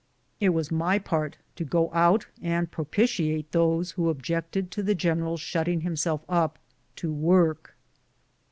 It was my part to go out and propitiate those who objected to the general shutting himself up to work.